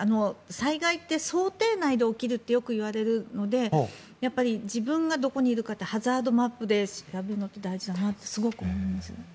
災害って想定内で起きるってよく言われるので自分がどこにいるかハザードマップで調べるのは大事だなとすごく思います。